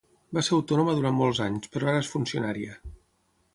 Va ser autònoma durant molts anys, però ara és funcionària.